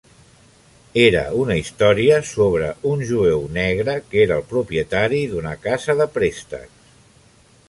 Era una història sobre un jueu negre que era el propietari d'una casa de préstecs.